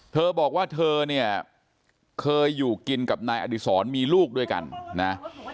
เธอบอกว่าเธอเนี่ยเคยอยู่กินกับนายอดีศรมีลูกด้วยกันนะ